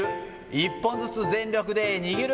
１本ずつ全力で握る。